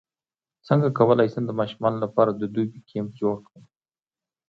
څنګه کولی شم د ماشومانو لپاره د دوبي کمپ جوړ کړم